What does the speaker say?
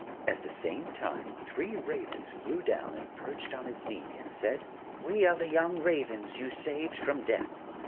At the same time three Ravens flew down and perched on his knee, and said: 'We are the young Ravens you saved from death.